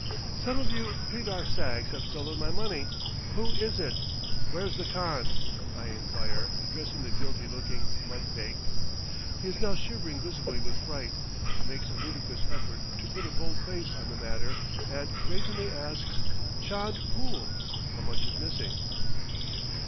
"Some of you pedar sags have stolen my money; who is it? where's the khan?" I inquire, addressing the guilty looking mud bake. He is now shivering visibly with fright, but makes a ludicrous effort to put a bold face on the matter, and brazenly asks, "Chand pool" (How much is missing?).